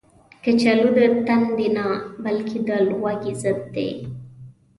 کچالو د تندې نه، بلکې د لوږې ضد دی